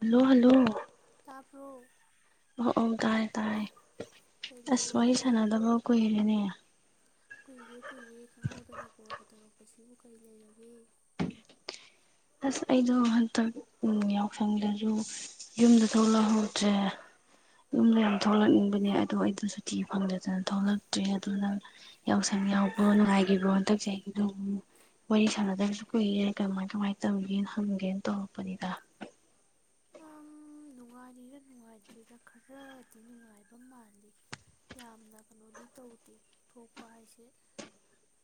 hello hello ꯇꯥꯕ꯭ꯔꯣ ꯑꯣ ꯇꯥꯏꯌꯦ ꯇꯥꯏꯌꯦ ꯀꯩ ꯑꯁ ꯋꯥꯔꯤ ꯋꯥꯔꯤ ꯂꯩꯔꯒꯦ ꯁꯅꯥꯗꯕ ꯀꯣꯏ ꯔꯦꯅꯤ ꯀꯨꯏꯔꯦ ꯀꯨꯏꯔꯦ ꯈꯪꯍꯧꯗꯅ ꯀꯣꯜꯒ ꯇꯧꯔꯛꯄꯁꯤꯕꯨ ꯀꯔꯤ ꯂꯩꯔꯒꯦ ꯑꯁ ꯑꯩꯗꯣ ꯍꯟꯗꯛ ꯌꯥꯎꯁꯪꯗꯁꯨ ꯌꯨꯝꯗ ꯊꯣꯛꯂꯛꯍꯧꯗ꯭ꯔꯦ ꯌꯨꯝꯗ ꯌꯥꯝ ꯊꯣꯛꯂꯛꯅꯤꯡꯕꯅꯦ ꯑꯗꯣ ꯑꯩꯗ ꯁꯨꯇꯤ ꯐꯪꯗꯗꯅ ꯊꯣꯛꯂꯛꯇ꯭ꯔꯦ ꯑꯗꯨꯅ ꯌꯥꯎꯁꯪ ꯌꯥꯎꯕꯣ ꯅꯨꯡꯉꯥꯏꯈꯤꯕꯣ ꯍꯟꯗꯛꯁꯦ ꯑꯩꯒꯤ ꯑꯗꯨꯝ ꯋꯥꯔꯤ ꯁꯥꯟꯅꯗꯕꯁꯨ ꯀꯨꯏꯔꯦ ꯀꯃꯥꯏ ꯀꯃꯥꯏ ꯃꯇꯝ ꯇꯝꯒꯦꯅ ꯍꯝꯒꯦꯅ ꯇꯧꯔꯛꯄꯅꯤꯗ ꯅꯨꯡꯉꯥꯏꯔꯤꯔꯥ ꯅꯨꯡꯉꯥꯏꯇ꯭ꯔꯤꯔꯥ ꯈꯔꯗꯤ ꯅꯨꯡꯉꯥꯏꯕ ꯃꯥꯜꯂꯤ ꯌꯥꯝꯅ ꯀꯩꯅꯣꯗꯤ ꯇꯧꯗꯦ ꯊꯣꯛꯄ ꯍꯥꯏꯁꯦ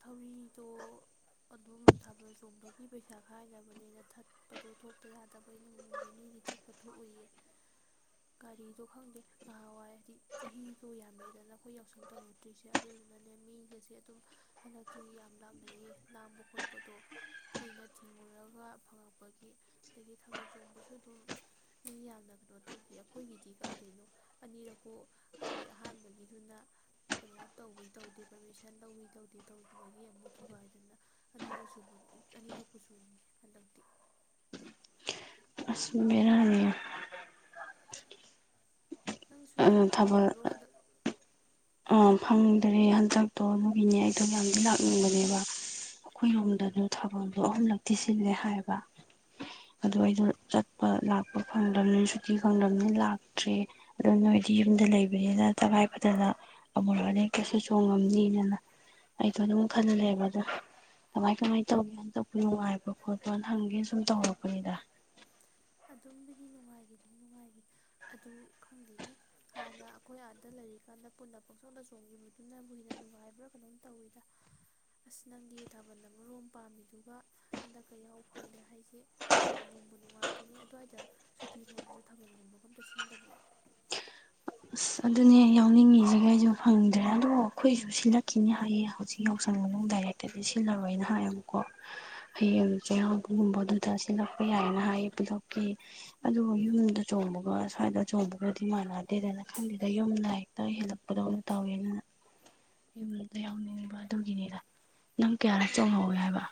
ꯊꯧꯔꯤꯗꯣ ꯑꯗꯣꯝ ꯊꯥꯕꯜ ꯆꯣꯡꯕꯒꯤ ꯄꯩꯁꯥ ꯈꯥꯏꯗꯕꯅꯤꯅ ꯊꯠꯄꯗꯣ ꯊꯣꯛꯇ ꯌꯥꯗꯕꯩ ꯅꯣꯡ ꯅꯤꯅꯤ ꯊꯠꯄ ꯊꯣꯛ ꯎꯏꯌꯦ ꯒꯥꯔꯤꯗꯣ ꯈꯪꯗꯦ ꯉꯍꯥꯟꯋꯥꯏ ꯍꯥꯏꯗꯤ ꯆꯍꯤꯗꯣ ꯌꯥꯝꯃꯦꯗꯅ ꯑꯩꯈꯣꯏ ꯌꯥꯎꯁꯪ ꯇꯧꯔꯨꯗ꯭ꯔꯤꯁꯦ ꯑꯗꯨꯗꯨꯅꯅꯦ ꯃꯤꯒꯁꯦ ꯑꯗꯨꯝ ꯍꯟꯗꯛꯇꯤ ꯌꯥꯝ ꯂꯥꯛꯅꯩꯌꯦ ꯂꯥꯡꯕ ꯈꯣꯠꯄꯗꯣ ꯀꯣꯏꯏꯅ ꯊꯤꯡꯉꯨꯔꯒ ꯐꯪꯉꯛꯄꯒꯤ ꯑꯗꯒꯤ ꯊꯕꯜ ꯆꯣꯡꯕꯁꯨ ꯑꯗꯨꯝ ꯃꯤ ꯌꯥꯝꯅ ꯀꯩꯅꯣ ꯇꯧꯈꯤ ꯑꯩꯈꯣꯏꯒꯤꯗꯤ ꯀꯥꯏꯗꯣꯏꯩꯅꯣ ꯑꯅꯤꯔꯛꯄꯨ ꯍꯜꯂꯤ ꯑꯍꯥꯟꯕꯒꯤꯗꯨꯅ ꯀꯩꯅꯣ ꯇꯧꯋꯤ ꯇꯧꯗꯦ ꯄꯔꯃꯤꯁꯟ ꯂꯧꯋꯤ ꯇꯧꯗꯦ ꯇꯧꯗꯕꯒꯤ ꯑꯃꯨꯛ ꯊꯨꯒꯥꯏꯗꯅ ꯑꯅꯤꯔꯛꯁꯨ ꯑꯅꯤꯔꯛꯄꯨ ꯆꯣꯡꯉꯤ ꯍꯟꯗꯛꯇꯤ ꯑꯁ ꯕꯦꯔꯥꯅꯤ ꯅꯪ ꯁꯨꯇꯤ ꯐꯪꯗꯕ꯭ꯔꯣ ꯍꯟꯗꯛ ꯑꯥ ꯐꯪꯗ꯭ꯔꯦ ꯍꯟꯗꯛꯇꯣ ꯑꯗꯨꯒꯤꯅꯦ ꯑꯩꯗꯣ ꯌꯥꯝꯗꯤ ꯂꯥꯛꯅꯤꯡꯕꯅꯦꯕ ꯑꯩꯈꯣꯏꯔꯣꯝꯗꯁꯨ ꯊꯥꯕꯜꯗꯣ ꯑꯍꯨꯝꯂꯛꯇ ꯊꯤ ꯁꯤꯜꯂꯦ ꯍꯥꯏꯕ ꯑꯣ ꯑꯩꯗꯣ ꯆꯠꯄ ꯂꯥꯛꯄ ꯐꯪꯗ꯭ꯔꯕꯅꯤꯅ ꯁꯨꯇꯤ ꯐꯪꯗ꯭ꯔꯕꯅꯤꯅ ꯂꯥꯛꯇ꯭ꯔꯦ ꯑꯗꯣ ꯅꯣꯏꯗꯤ ꯌꯨꯝꯗ ꯂꯩꯕꯅꯤꯗ ꯇꯉꯥꯏ ꯐꯗꯅ ꯑꯃꯨꯛ ꯑꯅꯤꯔꯛꯇꯤ ꯆꯣꯡꯉꯝꯅꯤꯅꯅ ꯑꯩꯗꯣ ꯑꯗꯨꯝ ꯈꯜꯂ ꯂꯩꯕ ꯑꯗ ꯀꯃꯥꯏ ꯀꯃꯥꯏꯅ ꯇꯧꯒꯦꯅ ꯇꯛꯄ ꯅꯨꯡꯉꯥꯏꯕ꯭ꯔꯣ ꯈꯣꯠꯄ꯭ꯔꯣꯅ ꯍꯪꯒꯦꯅ ꯁꯨꯝ ꯇꯧꯔꯛꯄꯅꯤꯗ ꯑꯗꯨꯝꯕꯨꯗꯤ ꯅꯨꯡꯉꯥꯏꯈꯤ ꯑꯗꯨꯝ ꯅꯨꯡꯉꯥꯏꯈꯤ ꯑꯗꯨ ꯈꯪꯗꯦꯅꯦ ꯍꯥꯟꯅ ꯑꯩꯈꯣꯏ ꯑꯥꯗ ꯂꯩꯔꯤꯀꯥꯟꯗ ꯄꯨꯟꯅ ꯄꯪꯁꯣꯟꯅ ꯆꯣꯡꯈꯤꯕꯗꯨꯅꯕꯨ ꯍꯦꯟꯅ ꯅꯨꯡꯉꯥꯏꯕ꯭ꯔꯥ ꯀꯩꯅꯣꯝ ꯇꯧꯋꯤꯗ ꯑꯁ ꯅꯪꯒꯤ ꯊꯥꯕꯜ ꯑꯃꯣꯝ ꯄꯥꯝꯃꯤꯗꯨꯒ ꯍꯟꯗꯛꯀ ꯌꯥꯎ ꯐꯪꯗꯦ ꯍꯥꯏꯁꯦꯅꯨꯡ ꯅꯨꯡꯕꯨ ꯅꯨꯡꯉꯥꯏꯇ ꯅꯦ ꯑꯗꯨꯋꯥꯏꯗ ꯁꯨꯇꯤ ꯐꯥꯎꯕꯗꯁꯨ ꯊꯥꯕꯜꯒꯨꯝꯕꯒ ꯑꯝꯇ ꯁꯤꯟꯗꯕ꯭ꯔꯣ ꯑꯩꯁꯨ ꯐꯪꯗ꯭ꯔꯦ ꯑꯗꯨꯗꯕꯨ ꯑꯩꯈꯣꯏꯁꯨ ꯁꯤꯜꯂꯛꯈꯤꯅꯤ ꯍꯥꯏꯌꯦ ꯍꯧꯖꯤꯛ ꯌꯥꯎꯁꯪ ꯃꯅꯨꯡ ꯗꯥꯏꯔꯦꯛꯇꯗꯤ ꯁꯤꯜꯂꯔꯣꯏꯅ ꯍꯥꯏꯌꯦꯨꯀꯣ ꯍꯌꯦꯡ ꯆꯩꯔꯥꯎꯕꯒꯨꯝꯕ ꯑꯗꯨꯗ ꯁꯤꯜꯂꯛꯄ ꯌꯥꯏꯌꯦꯅ ꯍꯥꯏꯌꯦ ꯄꯨꯂꯛꯈꯤ ꯑꯗꯨꯕꯨ ꯌꯨꯝꯗ ꯆꯣꯡꯕꯒ ꯁ꯭ꯋꯥꯏꯗ ꯆꯣꯡꯕꯒꯗꯤ ꯃꯥꯟꯅꯗꯦꯗꯅ ꯈꯪꯕꯤꯗ ꯌꯨꯝ ꯗꯥꯏꯔꯤꯦꯛꯇ ꯍꯦꯜꯂꯛꯄ ꯈꯨꯗꯧꯅ ꯇꯥꯎꯋꯦꯅ ꯌꯨꯝꯗ ꯌꯥꯎꯅꯤꯡꯉꯤꯕ ꯑꯗꯨꯒꯤꯅꯤꯗ ꯅꯪ ꯀꯌꯥꯔꯛ ꯍꯣꯏ ꯆꯣꯡꯍꯧꯋꯦ ꯍꯥꯏꯕ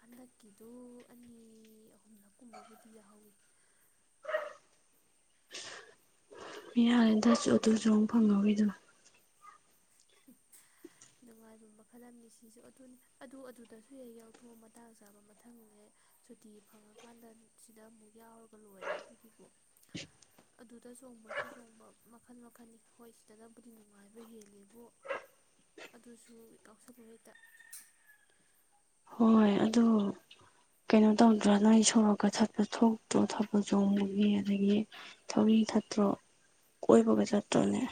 ꯍꯟꯗꯛꯀꯤꯗꯨ ꯑꯅꯤ ꯑꯍꯨꯝꯂꯛ ꯀꯨꯝꯕꯕꯨꯗꯤ ꯌꯥꯎꯍꯧꯋꯤ ꯌꯥꯔꯦꯗ ꯑꯗꯨ ꯆꯣꯡ ꯐꯪꯍꯧꯔꯤꯗꯣ ꯅꯨꯡꯉꯥꯏꯕ ꯃꯈꯜ ꯑꯃꯅꯤ ꯁꯤꯁꯨ ꯑꯗꯨꯅꯤ ꯑꯗꯨ ꯑꯗꯨꯗꯁꯨ ꯍꯦꯛ ꯌꯥꯎꯊꯣꯛꯑꯣ ꯃꯇꯥꯡ ꯆꯥꯕ ꯃꯊꯪꯅꯦ ꯁꯨꯇꯤ ꯐꯪꯉꯀꯥꯟꯗ ꯁꯤꯗ ꯑꯃꯨꯛ ꯌꯥꯎꯔꯒ ꯂꯣꯏꯔꯦ ꯑꯗꯨꯒꯤꯕꯨ ꯑꯗꯨꯗ ꯆꯣꯡꯕꯁꯨ ꯆꯣꯡꯕ ꯃꯈꯜ ꯃꯈꯜꯅꯤ ꯍꯣꯏ ꯁꯤꯗꯅꯕꯨꯗꯤ ꯅꯨꯡꯉꯥꯏꯕ ꯍꯦꯂꯦꯕꯨ ꯑꯗꯨꯁꯨ ꯀꯥꯎꯁꯂꯨꯉꯩꯗ ꯍꯣꯏ ꯑꯗꯨ ꯀꯩꯅꯣ ꯇꯧꯗ꯭ꯔꯥ ꯅꯪꯣꯏ ꯁꯣꯔꯣꯛꯀ ꯊꯠꯄ ꯊꯣꯛꯇ꯭ꯔꯣ ꯊꯕ ꯆꯣꯡꯕꯒꯤ ꯑꯗꯒꯤ ꯊꯧꯔꯤ ꯊꯠꯇ꯭ꯔꯣ ꯀꯣꯏꯕꯒ ꯆꯠꯇꯔ꯭ꯣꯅꯦ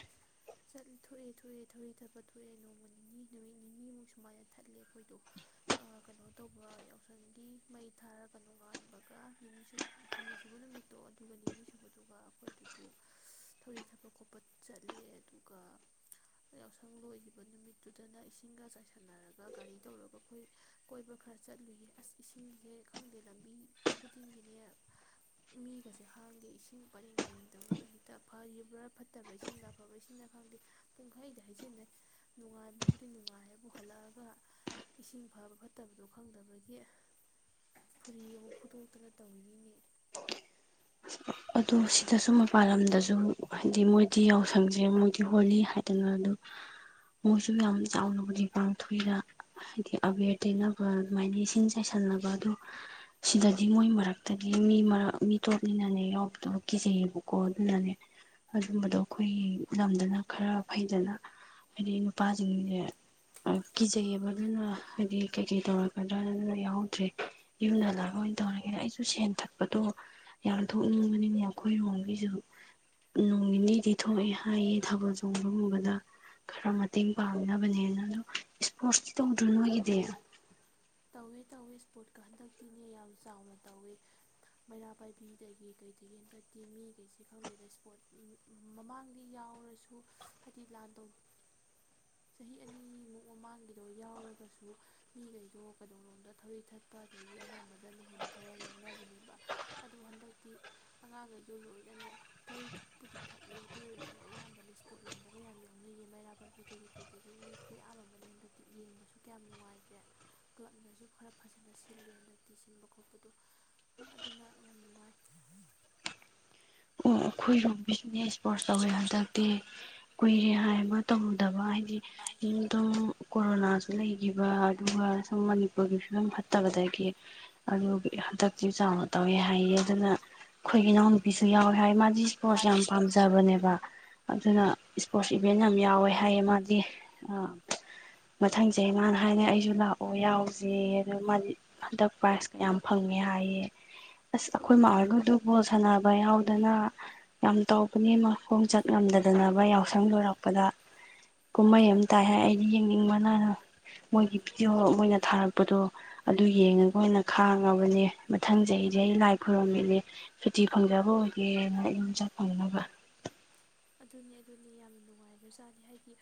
ꯆꯠꯂ ꯊꯣꯛꯑꯦ ꯊꯣꯛꯑꯦ ꯊꯧꯔꯤ ꯊꯠꯄ ꯊꯣꯛꯑꯦ ꯅꯣꯡꯃ ꯅꯤꯅꯤ ꯅꯨꯃꯤꯠ ꯅꯤꯅꯤꯃꯨꯛ ꯁꯨꯃꯥꯏꯅ ꯊꯠꯂꯦ ꯑꯩꯈꯣꯏꯗꯣ ꯀꯩꯅꯣ ꯇꯧꯕ ꯌꯥꯎꯁꯪꯒꯤ ꯃꯩ ꯊꯥꯔꯒ ꯅꯣꯡꯉꯥꯟꯕꯒ ꯅꯤꯅꯤ ꯍꯨꯝꯅꯤ ꯁꯨꯕ ꯅꯨꯃꯤꯠꯇꯣ ꯑꯗꯨꯒ ꯅꯤꯅꯤ ꯁꯨꯕꯗꯨꯒ ꯑꯩꯈꯣꯏ ꯑꯗꯨꯗ ꯊꯧꯔꯤ ꯊꯠꯄ ꯈꯣꯠꯄ ꯆꯠꯂꯦ ꯑꯗꯨꯒ ꯌꯥꯎꯁꯪ ꯂꯣꯏꯈꯤꯕ ꯅꯨꯃꯤꯠꯇꯨꯗꯅ ꯏꯁꯤꯡꯒ ꯆꯥꯏꯁꯟꯅꯔꯒ ꯒꯥꯔꯤ ꯇꯧꯔꯒ ꯑꯩꯈꯣꯏ ꯀꯣꯏꯕ ꯈꯔ ꯆꯠꯂꯨꯏꯌꯦ ꯑꯁ ꯏꯁꯤꯡꯁꯦ ꯈꯪꯗꯦ ꯂꯝꯕꯤ ꯈꯨꯗꯤꯡꯒꯤꯅꯦ ꯃꯤꯒꯁꯦ ꯍꯥꯡꯗꯦ ꯏꯁꯤꯡ ꯄꯔꯦꯡ ꯄꯔꯦꯡ ꯇꯧꯔꯒ ꯍꯦꯛꯇ ꯐꯔꯤꯕ꯭ꯔꯥ ꯐꯠꯇꯕ ꯏꯁꯤꯡꯗ ꯑꯐꯕ ꯏꯁꯤꯡꯅ ꯈꯪꯗꯦ ꯄꯨꯡꯈꯩꯗꯤ ꯍꯩꯖꯤꯟꯅꯩ ꯅꯨꯡꯉꯥꯏꯕꯕꯨꯗꯤ ꯅꯨꯡꯉꯥꯏꯕꯨ ꯍꯜꯂꯛꯑꯒ ꯏꯁꯤꯡ ꯐꯕ ꯐꯠꯇꯕꯗꯣ ꯈꯪꯗꯕꯒꯤ ꯐꯨꯔꯤ ꯑꯃ ꯐꯨꯠꯇꯣꯛꯇꯅ ꯇꯧꯔꯤꯅꯤꯅꯤ ꯑꯗꯨ ꯁꯤꯗꯁꯨ ꯃꯄꯥꯟ ꯂꯝꯗꯁꯨ ꯍꯥꯏꯗꯤ ꯃꯣꯏꯗꯤ ꯌꯥꯎꯁꯪꯁꯦ ꯃꯣꯏꯗꯤ ꯍꯣꯜꯂꯤ ꯍꯥꯏꯗꯅ ꯑꯗꯨ ꯃꯣꯏꯁꯨ ꯌꯥꯝ ꯆꯥꯎꯅꯕꯨꯗꯤ ꯄꯥꯡꯊꯣꯛꯏꯔ ꯍꯥꯏꯗꯤ ꯑꯕꯦꯔ ꯇꯩꯅꯕ ꯑꯗꯨꯃꯥꯏꯅ ꯏꯁꯤꯡ ꯆꯥꯏꯁꯟꯅꯕ ꯑꯗꯨ ꯁꯤꯗꯗꯤ ꯃꯣꯏ ꯃꯔꯛꯇꯗꯤ ꯃꯤ ꯃꯔꯛ ꯃꯤ ꯇꯣꯞꯂꯤꯅꯅꯦ ꯌꯥꯎ ꯇ ꯀꯤꯖꯩꯑꯕꯀꯣ ꯑꯗꯨꯅꯅꯦ ꯑꯗꯨꯝꯕꯗꯣ ꯑꯩꯈꯣꯏꯒꯤ ꯂꯝꯗꯅ ꯈꯔ ꯐꯩꯗꯅ ꯍꯥꯏꯗꯤ ꯅꯨꯄꯥꯁꯤꯡꯁꯦ ꯀꯤꯖꯩꯑꯕ ꯑꯗꯨꯅ ꯍꯥꯏꯗꯤ ꯀꯩꯀꯩ ꯇꯧꯔꯛꯀꯗ꯭ꯔꯥ ꯑꯗꯨꯅ ꯌꯥꯎꯍꯧꯗ꯭ꯔꯦ ꯌꯨꯝ ꯍꯜꯂꯛꯑꯒ ꯑꯣꯏꯅ ꯇꯧꯔꯒꯦꯗ ꯑꯩꯁꯨ ꯁꯦꯟ ꯊꯛꯄꯗꯣ ꯌꯥꯝ ꯕꯅꯤꯅꯦ ꯑꯩꯈꯣꯏ ꯅꯣꯡꯒꯤꯁꯨ ꯅꯣꯡ ꯅꯤꯅꯤꯗꯤ ꯊꯣꯛꯑꯦ ꯍꯥꯏꯌꯦ ꯊꯥꯕꯜ ꯆꯣꯡꯕꯒꯨꯝꯕꯗ ꯈꯔ ꯃꯇꯦꯡ ꯄꯥꯡꯅꯕꯅꯦꯅ ꯑꯣ ꯏꯁꯄꯣꯔꯠꯁꯀꯤ ꯇꯧꯗ꯭ꯔꯣ ꯅꯣꯏꯒꯤꯗꯤ ꯇꯧꯋꯦ ꯇꯧꯋꯦ ꯏꯁꯄꯣꯔꯠꯀ ꯍꯟꯗꯛꯇꯤꯅꯦ ꯌꯥꯝ ꯆꯥꯎꯅ ꯇꯧꯋꯦ ꯃꯩꯔꯥ ꯄꯥꯏꯕꯤꯗꯒꯤ ꯀꯩꯗꯒꯤ ꯍꯟꯗꯛꯇꯤ ꯃꯤꯈꯩꯁꯦ ꯈꯪꯗꯦꯗ ꯏꯁꯄꯣꯔꯠ ꯃꯃꯥꯡꯗꯤ ꯌꯥꯎꯔꯁꯨ ꯍꯥꯏꯗꯤ ꯂꯥꯟꯗꯧ ꯆꯍꯤ ꯑꯅꯤꯃꯨꯛ ꯃꯃꯥꯡꯒꯤꯗꯣ ꯌꯥꯎꯔꯒꯁꯨ ꯃꯤꯈꯩꯗꯣ ꯀꯗꯣ ꯂꯣꯝꯗ ꯊꯧꯔꯤ ꯊꯠꯄ ꯑꯗꯒꯤ ꯑꯃ ꯑꯃꯗꯅ ꯍꯦꯟꯅ ꯊꯋꯥꯏ ꯌꯥꯎꯅꯕꯅꯦꯕ ꯑꯗꯣ ꯍꯟꯗꯛꯇꯤ ꯑꯉꯥꯡꯈꯩꯗꯣ ꯂꯣꯏꯅꯅꯦ ꯊꯧꯔꯤ ꯊꯛꯄꯨꯗꯤ ꯊꯠꯂꯦ ꯑꯗꯨ ꯑꯣꯏꯔꯁꯨꯅꯦ ꯑꯌꯥꯝꯕꯅ ꯏꯁꯄꯣꯠ ꯂꯣꯝꯗꯒ ꯌꯥꯝ ꯌꯥꯎꯅꯩꯌꯦ ꯃꯩꯔꯥ ꯄꯥꯏꯕꯤꯗꯒꯤ ꯀꯩꯗꯒꯤ ꯃꯤ ꯈꯨꯌꯥꯝ ꯑꯃꯅꯦ ꯍꯟꯗꯛꯇꯤ ꯌꯦꯡꯕꯁꯨ ꯀꯌꯥꯝ ꯅꯨꯡꯉꯥꯏꯈ꯭ꯔꯦ ꯀ꯭ꯂꯕꯅꯁꯨ ꯈꯔ ꯐꯖꯅ ꯁꯤꯂꯦ ꯍꯟꯗꯛꯇꯤ ꯁꯤꯟꯕ ꯈꯣꯠꯄꯗꯣ ꯑꯗꯨꯅ ꯌꯥꯝ ꯅꯨꯡꯉꯥꯏ ꯑꯩꯈꯣꯏꯔꯣꯝꯒꯤ ꯏꯁꯄꯣꯔꯠꯁ ꯇꯧꯋꯦ ꯍꯟꯗꯛꯇꯤ ꯀꯨꯏꯔꯦ ꯍꯥꯏ ꯑꯃ ꯇꯧꯨꯗꯕ ꯍꯥꯏ ꯑꯗꯣ ꯀꯣꯔꯣꯅꯥꯁꯨ ꯂꯩꯈꯤꯕ ꯑꯗꯨꯒ ꯁꯨꯝ ꯃꯅꯤꯄꯨꯔꯒꯤ ꯐꯤꯕꯝ ꯐꯠꯇꯕꯗꯒꯤ ꯑꯗꯨ ꯍꯟꯗꯛꯇꯤ ꯆꯥꯎꯅ ꯇꯧꯋꯦ ꯍꯥꯏꯌꯦ ꯑꯗꯨꯅ ꯑꯩꯈꯣꯏꯒꯤ ꯏꯅꯥꯎꯅꯨꯄꯤꯁꯨ ꯌꯥꯎꯋꯦ ꯍꯥꯏ ꯃꯥ ꯃꯤ ꯏꯁꯄꯣꯔꯠꯁ ꯌꯥꯝꯅ ꯄꯥꯝꯖꯕꯅꯦꯕ ꯑꯗꯨꯅ ꯏꯁꯄꯣꯔꯠꯁ ꯏꯚꯦꯟ ꯌꯥꯝ ꯌꯥꯎꯋꯦ ꯍꯥꯏꯌꯦ ꯃꯥꯗꯤ ꯃꯊꯪꯁꯦ ꯑꯗꯨꯅ ꯏꯁꯄꯣꯔꯠꯁ ꯏꯕꯦꯟꯠ ꯌꯥꯝ ꯌꯥꯎꯋꯦ ꯍꯥꯏ ꯃꯥꯗꯤ ꯃꯊꯡ ꯆꯍꯤ ꯃꯥꯅ ꯍꯥꯏꯅꯩ ꯑꯩꯁꯨ ꯂꯥꯛꯑꯣ ꯌꯥꯎꯁꯦ ꯑꯗꯨ ꯃꯥꯗꯤ ꯍꯟꯗꯛ ꯄ꯭ꯔꯥꯏꯖ ꯀꯌꯥꯝ ꯐꯪꯉꯦ ꯍꯥꯏꯌꯦ ꯑꯁ ꯑꯩꯈꯣꯏ ꯃꯥ ꯑꯣꯏꯔꯒꯗꯨ ꯕꯣꯜ ꯁꯥꯟꯅꯕ ꯌꯥꯎꯗꯅ ꯌꯥꯝ ꯇꯧꯕꯅꯦ ꯈꯣꯡꯆꯠ ꯉꯝꯗꯗꯅꯕ ꯌꯥꯎꯁꯪ ꯂꯣꯏꯔꯛꯄꯗ ꯀꯨꯝꯍꯩ ꯑꯃ ꯇꯥꯏ ꯍꯥꯏ ꯑꯩꯗꯤ ꯌꯦꯡꯅꯤꯡꯕꯅ ꯃꯣꯏꯒꯤ ꯚꯤꯗꯤꯑꯣ ꯃꯅ ꯊꯥꯔꯛꯄꯗꯣ ꯑꯗꯨ ꯌꯦꯡꯉꯒ ꯑꯣꯏꯅ ꯈꯥꯡꯉꯕꯅꯦ ꯃꯊꯪ ꯆꯍꯤꯁꯦ ꯑꯩ ꯂꯥꯏ ꯈꯨꯔꯝꯃꯤꯠꯅꯦ ꯁꯨꯇꯤ ꯐꯪꯖꯕ ꯑꯣꯏꯒꯦ ꯌꯨꯝ ꯆꯠ ꯐꯪꯅꯕ ꯑꯗꯨꯅꯦ ꯑꯗꯨꯅꯦ ꯌꯥꯝꯅ ꯅꯨꯡꯉꯥꯏꯈ꯭ꯔꯖꯥꯠꯅꯤ ꯍꯥꯏꯗꯤ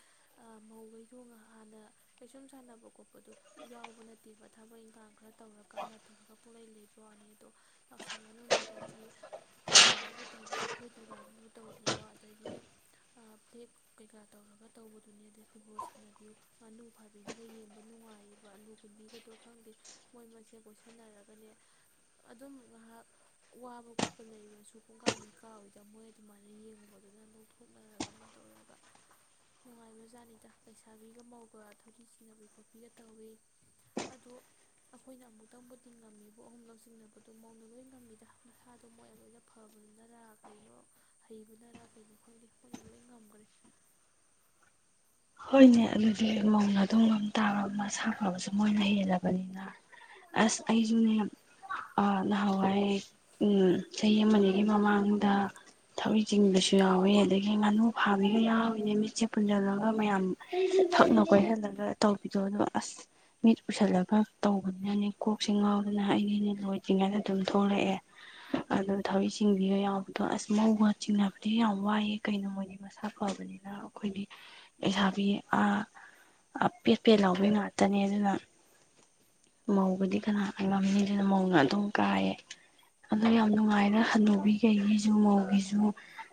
ꯃꯧꯈꯩ ꯊꯣꯡꯉ ꯍꯥꯟꯅ ꯀꯩꯁꯨꯝ ꯁꯥꯟꯅꯕ ꯈꯣꯠꯄꯗꯨ ꯌꯥꯎꯕ ꯅꯠꯇꯦꯕ ꯊꯕꯛ ꯏꯪꯈꯥꯡ ꯈꯔ ꯇꯧꯔꯒ ꯑꯃꯊꯂꯒ ꯄꯨꯡꯂꯩ ꯂꯩꯕ ꯋꯥꯅꯤ ꯑꯗꯣ ꯌꯥꯎꯁꯪꯒꯅꯤꯡꯕꯗꯗꯤ ꯀꯩꯅꯣꯕꯨ ꯇꯧꯕ ꯆꯐꯨ ꯊꯨꯒꯥꯏꯕꯤꯕꯨ ꯇꯧꯕ꯭ꯔꯣ ꯑꯗꯒꯤ ꯐ꯭ꯂꯦꯛ ꯀꯩꯀꯥ ꯇꯧꯔꯒ ꯇꯧꯕꯗꯨꯅꯦ ꯑꯗꯩ ꯐꯨꯠꯕꯣꯜ ꯁꯥꯟꯅꯕꯤꯌꯨ ꯉꯥꯅꯨ ꯐꯥꯕꯤꯅꯒ ꯌꯦꯡꯕ ꯅꯨꯡꯉꯥꯏꯔꯤꯕ ꯑꯂꯨ ꯀꯨꯟꯕꯤꯒꯗꯣ ꯈꯪꯗꯦ ꯃꯣꯏ ꯃꯁꯦ ꯀꯣꯏꯁꯟꯅꯔꯒꯅꯦ ꯑꯗꯨꯝ ꯉꯥꯏꯍꯥꯛ ꯋꯥꯕ ꯈꯣꯠꯄ ꯂꯩꯔꯁꯨ ꯄꯨꯡꯀꯥꯎ ꯍꯩ ꯀꯥꯎꯋꯏꯗ ꯃꯣꯏ ꯑꯗꯨꯃꯥꯏꯅ ꯌꯦꯡꯉꯨꯕꯗ ꯑꯗꯨꯅ ꯅꯣꯛꯊꯣꯛꯅꯔꯒ ꯑꯃ ꯇꯧꯒ ꯅꯨꯡꯉꯥꯏꯕ ꯖꯥꯠꯅꯤꯗ ꯂꯩꯁꯥꯕꯤꯒ ꯃꯧꯒ ꯊꯧꯊꯤ ꯆꯤꯡꯅꯕꯤ ꯈꯣꯠꯄꯤꯒ ꯇꯧꯋꯤ ꯑꯗꯣ ꯑꯩꯈꯣꯏꯅ ꯑꯃꯨꯛꯇꯪꯕꯨꯗꯤ ꯉꯝꯃꯤꯕ ꯑꯍꯨꯝ ꯂꯧ ꯆꯤꯡꯅꯕꯗꯣ ꯃꯧꯅ ꯂꯣꯏ ꯉꯝꯃꯤꯗ ꯃꯁꯥꯗꯣ ꯃꯣꯏꯅ ꯂꯣꯏꯅ ꯐꯕꯅꯔ ꯀꯩꯅꯣ ꯍꯩꯕꯅꯔ ꯀꯩꯅꯣ ꯈꯪꯗꯦ ꯃꯣꯏꯅ ꯂꯣꯏ ꯉꯝꯈ꯭ꯔꯦ ꯍꯣꯏꯅꯦ ꯑꯗꯨꯗꯤ ꯃꯧꯅ ꯑꯗꯨꯣꯡꯕ ꯇꯥꯕ ꯃꯁꯥ ꯐꯕꯁꯨ ꯃꯣꯏꯅ ꯍꯦꯜꯂꯕꯅꯤꯅ ꯑꯁ ꯑꯩꯁꯨꯅꯦ ꯅꯍꯥꯟꯋꯥꯏ ꯆꯍꯤ ꯑꯃꯅꯤꯅꯤꯒꯤ ꯃꯃꯥꯡꯗ ꯊꯕꯏ ꯆꯤꯡꯕꯁꯨ ꯌꯥꯎꯋꯦ ꯑꯗꯒꯤ ꯉꯥꯅꯨ ꯐꯥꯕꯤꯒ ꯌꯥꯎꯏꯤꯅꯦ ꯃꯤꯠꯁꯦ ꯄꯨꯟꯁꯤꯜꯂꯒ ꯃꯌꯥꯝ ꯊꯛꯅ ꯀꯣꯏꯁꯤꯜꯂꯒ ꯇꯧꯕꯤꯗꯣ ꯑꯗꯣ ꯑꯁ ꯃꯤꯠ ꯎꯁꯜꯂꯒ ꯇꯧꯕꯅꯤꯅꯅꯦ ꯀꯣꯛꯁꯦ ꯉꯥꯎꯗꯅ ꯑꯩꯒꯤꯅꯦ ꯂꯣꯏꯗ꯭ꯔꯤꯉꯩꯗ ꯑꯗꯨꯝ ꯊꯣꯛꯂꯛꯑꯦ ꯑꯗꯨꯗ ꯊꯔꯤꯛ ꯆꯤꯡꯕꯤꯒ ꯌꯥꯎꯕꯗꯣ ꯑꯁ ꯃꯧꯒ ꯆꯤꯡꯅꯕꯗꯤ ꯌꯥꯝ ꯋꯥꯏꯑꯦ ꯀꯩꯅꯣ ꯃꯣꯏꯗꯤ ꯃꯁꯥ ꯐꯕꯅꯤꯅ ꯑꯩꯈꯣꯏꯒꯤ ꯂꯩꯩꯁꯥꯕꯤ ꯑ ꯄꯦꯠ ꯄꯦꯠ ꯂꯥꯎꯕ ꯉꯥꯛꯇꯅꯦ ꯑꯗꯨꯅ ꯃꯧꯒꯗꯤ ꯀꯅꯥ ꯉꯝꯅꯤꯗꯅ ꯃꯧꯅ ꯑꯗꯨꯝ ꯀꯥꯏꯌꯦ ꯑꯗꯣ ꯌꯥꯝ ꯅꯨꯡꯉꯥꯏꯗ ꯍꯅꯨꯕꯤꯈꯩꯒꯤꯁꯨ ꯃꯧꯒꯤꯁꯨ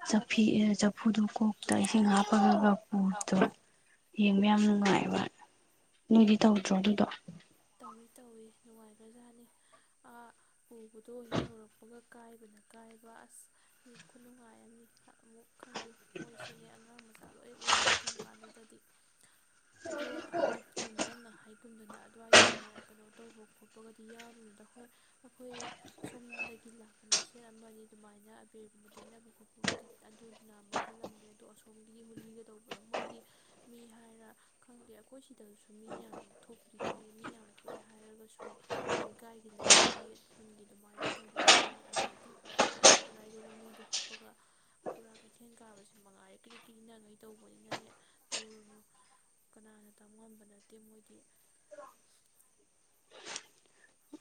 ꯆꯐꯨ ꯆꯐꯨꯗꯨ ꯀꯣꯛꯇ ꯏꯁꯤꯡ ꯍꯥꯞꯄꯒ ꯞꯨꯕꯗꯣ ꯌꯥꯝ ꯅꯨꯡꯉꯥꯏꯕ ꯅꯣꯏꯗꯤ ꯇꯧꯗ꯭ꯔꯣ ꯑꯗꯨꯗꯣ ꯇꯧꯏꯤ ꯇꯧꯏꯤ ꯅꯨꯡꯉꯥꯏꯈ꯭ꯔꯖꯥꯠꯅꯤ ꯄꯨꯕꯗꯣ ꯍꯦꯛ ꯍꯧꯔꯛꯄꯒ ꯀꯥꯏꯕꯅ ꯀꯥꯏꯕ ꯑꯁ ꯈꯨꯅꯨꯡꯉꯥꯏ ꯑꯃꯅꯤ ꯑꯃꯨꯛ ꯈꯪꯗꯦ ꯃꯣꯏꯁꯨꯅꯦ ꯑꯉꯥꯡ ꯃꯆꯥ ꯂꯣꯏ ꯑꯣꯜꯂꯦ ꯑꯗꯨꯝ ꯀꯥꯟꯗꯨꯗꯗꯤ ꯑꯗꯣꯒꯨꯝ ꯅꯪꯅ ꯍꯥꯏ ꯀꯨꯝꯗꯅ ꯑꯗꯨꯋꯥꯏ ꯅꯦ ꯀꯩꯅꯣ ꯇꯧꯕ ꯈꯣꯠꯄꯒꯗꯤ ꯌꯥꯎꯔꯨꯅꯤꯗ ꯍꯣꯏ ꯑꯩꯈꯣꯏ ꯁꯣꯝꯗꯒꯤ ꯂꯥꯛꯄ ꯃ ꯁꯦꯠ ꯑꯃꯅꯤ ꯑꯗꯨꯃꯥꯏꯅ ꯑꯕꯦꯔꯒꯨꯝꯕ ꯇꯩꯅꯕ ꯈꯣꯠꯄꯕꯨꯗꯤ ꯑꯗꯨꯅ ꯃꯈꯜ ꯑꯃꯅꯤ ꯑꯗꯣ ꯑꯁꯣꯝꯒꯤꯗꯤ ꯍꯣꯂꯤꯒ ꯇꯧꯕꯗꯣ ꯃꯣꯏꯗꯤ ꯃꯤ ꯍꯥꯏꯔ ꯈꯪꯗꯦ ꯑꯩꯈꯣꯏ ꯁꯤꯗꯁꯨ ꯃꯤ ꯌꯥꯝ ꯊꯣꯛꯄꯗꯤ ꯊꯣꯛꯏ ꯑꯩꯈꯣꯏ ꯃꯤ ꯌꯥꯝ ꯊꯣꯛꯑꯦ ꯍꯥꯏꯔꯒꯁꯨ ꯂꯩꯀꯥꯏꯒꯤ ꯂꯩꯔꯛꯀꯤ ꯈꯨꯟꯒꯤ ꯑꯗꯨꯃꯥꯏꯅ ꯇꯧꯕꯩ ꯋꯥꯅꯤ ꯑꯥꯗꯗꯤ ꯄꯨꯔꯥ ꯀꯔꯥꯏ ꯀꯔꯥꯏꯗꯅꯣ ꯃꯤꯗꯣ ꯍꯨꯞꯞꯄꯒ ꯄꯨꯔꯥ ꯀꯩꯊꯦꯜ ꯀꯥꯕꯕꯁꯤꯦ ꯃꯉꯥꯏꯔꯦ ꯀ꯭ꯔꯤ ꯀ꯭ꯔꯤꯅꯉꯩ ꯇꯧꯕꯅꯤꯅꯅꯦ ꯇꯧꯔꯨꯅꯨ ꯀꯅꯥꯅ ꯇꯝ ꯉꯝꯕ ꯅꯠꯇꯦ ꯃꯣꯏꯗꯤ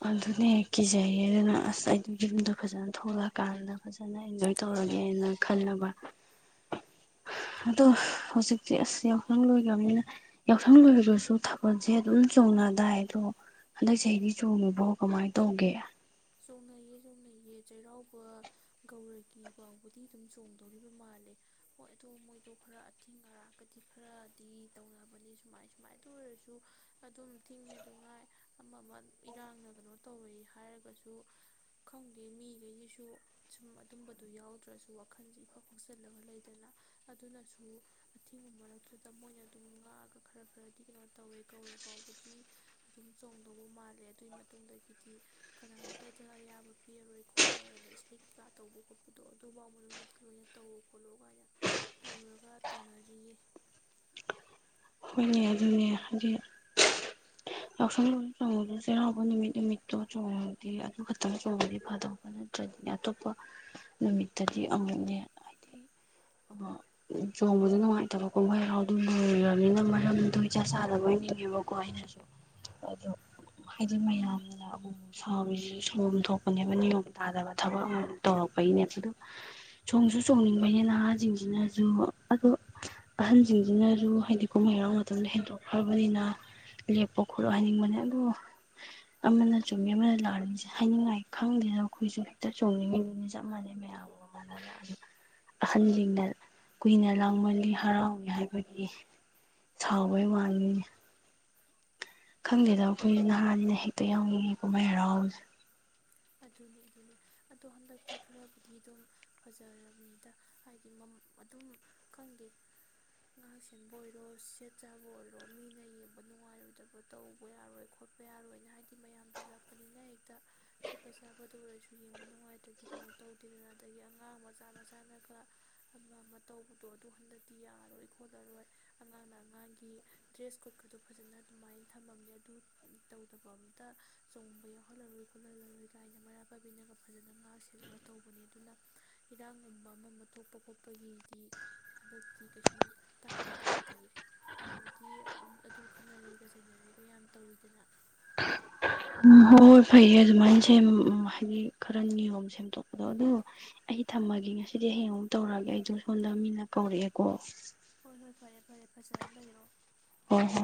ꯑꯗꯨꯅꯦ ꯍꯦꯛ ꯀꯤꯖꯩꯌꯦ ꯑꯗꯨꯅ ꯑꯁ ꯑꯩꯒꯤ ꯌꯨꯝꯗꯣ ꯐꯖꯅ ꯊꯣꯛꯂꯛꯑꯀꯥꯟꯗ ꯐꯖꯅ ꯑꯦꯟꯖꯣꯏ ꯇꯧꯔꯒꯦꯅ ꯈꯜꯂꯕ ꯑꯗꯣ ꯍꯧꯖꯤꯛꯇꯤ ꯑꯁ ꯌꯥꯎꯁꯪ ꯂꯣꯏꯈ꯭ꯔꯕꯅꯤꯅ ꯌꯥꯎꯁꯪ ꯂꯣꯏꯈꯁꯨ ꯊꯥꯕꯜꯁꯦ ꯑꯗꯨꯝ ꯆꯣꯡꯅ ꯗꯥꯏ ꯑꯗꯣ ꯍꯟꯗꯛ ꯆꯍꯤꯗꯤ ꯆꯣꯡꯉꯨꯕꯣ ꯀꯃꯥꯏꯅ ꯇꯧꯒꯦ ꯆꯣꯡꯅꯩꯌꯦ ꯆꯣꯡꯅꯩꯌꯦ ꯆꯩꯔꯥꯎꯕ ꯒꯧꯔꯒꯤ ꯐꯥꯎꯕꯗꯤ ꯑꯗꯨꯝ ꯆꯣꯡꯗꯧꯔꯤꯕ ꯃꯥꯜꯂꯦ ꯍꯣꯏ ꯑꯗꯨꯗꯣ ꯃꯣꯏꯗꯣ ꯈꯔ ꯑꯊꯤꯡ ꯑꯔꯥꯛꯀꯗꯤ ꯈꯔꯗꯤ ꯇꯧꯅꯕꯅꯤ ꯁꯨꯃꯥꯏ ꯁꯨꯃꯥꯏꯅꯗ ꯑꯣꯏꯔꯁꯨ ꯑꯗꯨꯝ ꯊꯤꯡꯉꯦ ꯑꯗꯨ ꯉꯥꯏ ꯑꯃ ꯑꯃ ꯏꯔꯥꯡꯅ ꯀꯩꯅꯣ ꯇꯧꯋꯦ ꯍꯥꯏꯔꯒꯁꯨ ꯑꯗꯨ ꯈꯪꯗꯦ ꯃꯤꯈꯩꯒꯤꯁꯨ ꯁꯨꯝ ꯑꯗꯨꯝꯕꯗꯨ ꯌꯥꯎꯗ꯭ꯔꯁꯨ ꯋꯥꯈꯜꯁꯦ ꯏꯐ ꯐꯛꯆꯜꯂꯒ ꯂꯩꯗꯅ ꯑꯗꯨꯅꯁꯨ ꯑꯊꯤꯡꯕ ꯃꯔꯛꯇꯨꯗ ꯃꯣꯏꯅ ꯑꯗꯨꯝ ꯉꯥꯛꯑꯒ ꯈꯔ ꯈꯔꯗꯤ ꯀꯩꯅꯣ ꯇꯧꯋꯦ ꯀꯧꯔ ꯐꯥꯎꯕꯗꯤ ꯑꯗꯨꯝ ꯆꯣꯡꯗꯧꯕ ꯃꯥꯜꯂꯦ ꯑꯗꯨꯒꯤ ꯃꯇꯨꯡꯗꯒꯤꯗꯤ ꯀꯅꯥꯝ ꯗꯗ ꯑꯌꯥꯕ ꯄꯤꯔꯔꯣꯏ ꯈꯣꯠꯂꯣꯏ ꯑꯅ ꯏꯁꯩ ꯀꯩꯀꯥ ꯇꯧꯕ ꯈꯣꯠꯄꯗꯣ ꯑꯗꯨꯐꯥꯎ ꯃꯅꯨꯡꯗꯗꯤ ꯂꯣꯏꯅ ꯇꯧ ꯈꯣꯠꯂꯨ ꯀꯥꯏꯅ ꯇꯧꯔꯒ ꯇꯧꯅꯔꯤꯌꯦ ꯍꯣꯏꯅꯦ ꯑꯗꯨꯅꯦ ꯍꯧꯖꯤꯗꯤ ꯌꯥꯎꯁꯪꯗꯨ ꯆꯣꯡꯕꯗꯁꯨ ꯆꯩꯔꯥꯎꯕ ꯅꯨꯃꯤꯠ ꯅꯨꯃꯤꯠꯇꯣ ꯆꯣꯡꯉꯗꯤ ꯑꯗꯨ ꯈꯛꯇꯪ ꯆꯣꯡꯕꯗꯤ ꯐꯗꯧꯕ ꯅꯠꯇ꯭ꯔꯗꯤꯅꯦ ꯑꯇꯣꯞꯄ ꯅꯨꯃꯤꯠꯇꯗꯤ ꯑꯃꯨꯛꯅꯦ ꯍꯥꯏꯗꯤ ꯆꯣꯡꯕꯗ ꯅꯨꯡꯉꯥꯏꯇꯕꯀꯣꯍ ꯍꯔꯥꯎꯗꯨ ꯂꯣꯏꯔꯕꯅꯤꯅ ꯃꯔꯝꯗꯣ ꯏ ꯆ ꯆꯗꯕ ꯑꯣꯏꯅꯤꯡꯉꯦꯕꯀꯣ ꯑꯩꯅꯁꯨ ꯑꯗꯨ ꯍꯥꯏꯗꯤ ꯃꯌꯥꯝꯅ ꯑꯃ ꯁꯥꯥꯎꯕꯤꯁꯤꯁꯨ ꯁꯣꯝ ꯊꯣꯛꯄꯅꯦꯕ ꯅꯤꯌꯣꯝ ꯇꯥꯗꯕ ꯊꯕꯛ ꯑꯃ ꯇꯧꯔꯛꯄꯒꯤꯅꯦ ꯑꯗꯨꯗ ꯁꯣꯡꯝꯁꯨ ꯆꯣꯡꯅꯤꯡꯕꯩꯅꯦ ꯅꯍꯥꯁꯤꯡꯁꯤꯅꯁꯨ ꯑꯗꯨ ꯑꯍꯟꯁꯤꯡꯁꯤꯅꯁꯨ ꯍꯥꯏꯗꯤ ꯀꯨꯝꯍꯩꯔꯥꯎ ꯃꯇꯝꯗ ꯍꯦꯟꯗꯣꯛꯈ꯭ꯔꯕꯅꯤꯅ ꯂꯦꯞꯄ ꯈꯣꯠꯂꯣ ꯍꯥꯏꯅꯤꯡꯕꯅꯦ ꯑꯗꯨꯕꯨ ꯑꯃꯅ ꯆꯨꯝꯃꯤ ꯑꯃꯅ ꯂꯥꯛꯃꯤꯁꯦ ꯍꯥꯏꯅꯤꯡꯉꯥꯏ ꯈꯪꯗꯦꯅ ꯑꯩꯈꯣꯏꯁꯨ ꯍꯦꯛꯇ ꯆꯣꯡꯅꯤꯡꯉꯤꯗꯨꯅꯤ ꯆꯞ ꯃꯥꯟꯅꯩ ꯃꯌꯥꯝꯒ ꯃꯥꯟꯅꯅ ꯑꯗ ꯑꯍꯜꯁꯤꯡꯅ ꯀꯨꯏꯅ ꯂꯥꯡꯃꯜꯂꯤ ꯍꯔꯥꯎꯏ ꯍꯥꯏꯕꯒꯤ ꯁꯥꯎꯕꯩ ꯋꯥꯅꯤꯅꯦ ꯈꯪꯗꯦꯗꯕ ꯑꯩꯈꯣꯏꯁꯨ ꯅꯍꯥꯅꯤꯅ ꯍꯦꯛꯇ ꯌꯥꯎꯅꯤꯡꯉꯦꯀꯣ ꯃꯥꯏ ꯍꯔꯥꯎꯕꯁꯦ ꯑꯗꯨꯅꯦ ꯑꯗꯨꯅꯦ ꯑꯗꯣ ꯍꯟꯗꯛꯇꯤ ꯈꯔꯕꯨꯗꯤ ꯑꯗꯨꯝ ꯐꯖꯔꯕꯅꯤꯗ ꯍꯥꯏꯗꯤ ꯑꯗꯨꯝ ꯈꯪꯗꯦ ꯉꯥꯛ ꯁꯦꯟꯕ ꯑꯣꯏꯔꯣ ꯁꯦꯠ ꯆꯥꯕ ꯑꯣꯏꯔꯣ ꯃꯤꯅ ꯌꯦꯡꯕ ꯅꯨꯡꯉꯥꯏꯔꯣꯏꯗꯕ ꯇꯧꯕ ꯌꯥꯔꯣꯏ ꯈꯣꯠꯄ ꯌꯥꯔꯣꯏꯅ ꯍꯥꯏꯕꯗꯤ ꯃꯌꯥꯝꯗꯤ ꯂꯛꯄꯅꯤꯅ ꯍꯦꯛꯇ ꯊꯄ ꯆꯥꯕꯗ ꯑꯣꯏꯔꯁꯨ ꯌꯦꯡꯕ ꯅꯨꯡꯉꯥꯏꯇ꯭ꯔꯗꯤ ꯀꯩꯅꯣ ꯇꯧꯗꯦꯗꯅ ꯑꯗꯒꯤ ꯑꯉꯥꯡ ꯃꯆꯥ ꯃꯆꯥꯅꯒ ꯑꯃ ꯑꯃ ꯇꯧꯕꯗꯣ ꯑꯗꯨ ꯍꯟꯗꯛꯇꯤ ꯌꯥꯔꯔꯣꯏ ꯈꯣꯠꯂꯔꯣꯏ ꯑꯉꯥꯡꯅ ꯑꯉꯥꯡꯒꯤ ꯗ꯭ꯔꯦꯁ ꯀꯣꯠꯀꯗꯣ ꯐꯖꯅ ꯑꯗꯨꯃꯥꯏꯅ ꯊꯝꯃꯝꯃꯦ ꯑꯗꯨ ꯇꯧꯗꯕ ꯑꯝꯇ ꯆꯣꯡꯕ ꯌꯥꯎꯍꯜꯂꯔꯣꯏ ꯈꯣꯠꯍꯜꯂꯔꯣꯏ ꯂꯥꯏꯅ ꯃꯔꯥ ꯄꯥꯏꯕꯤꯅꯒ ꯐꯖꯅ ꯉꯥꯛ ꯁꯦꯠꯂꯒ ꯇꯧꯕꯅꯦ ꯑꯗꯨꯅ ꯏꯔꯥꯡꯒꯨꯝꯕ ꯑꯃ ꯑꯃ ꯊꯣꯛꯄ ꯈꯣꯠꯄꯒꯤꯗꯤ ꯍꯟꯗꯛꯇꯤ ꯀꯩꯁꯨꯝ ꯇꯥꯗꯤ ꯇꯥꯗꯌꯦ ꯍꯥꯟꯅꯗꯤ ꯑꯗꯨ ꯈꯠꯅꯔꯒ ꯆꯩꯅꯔꯒ ꯌꯥꯝ ꯇꯧꯋꯤꯗꯅ ꯎꯝ ꯍꯣꯏ ꯍꯣꯏ ꯐꯩꯌꯦ ꯑꯗꯨꯃꯥꯏꯅ ꯁꯦꯝ ꯍꯥꯏꯗꯤ ꯈꯔ ꯅꯤꯌꯣꯝ ꯁꯦꯝꯗꯣꯛꯄꯗꯣ ꯑꯗꯨꯗꯣ ꯑꯩ ꯊꯝꯃꯒꯦ ꯉꯁꯤꯗꯤ ꯍꯌꯦꯡ ꯑꯃꯨꯛ ꯇꯧꯔꯑꯒꯦ ꯑꯩꯗꯣ ꯁꯣꯝꯗ ꯃꯤꯅ ꯀꯧꯔꯛꯑꯦꯀꯣ ꯍꯣꯏ ꯍꯣꯏ ꯐꯔꯦ ꯐꯔꯦ ꯐꯖꯅ ꯂꯩꯔꯣ ꯍꯣꯏ ꯍꯣꯏ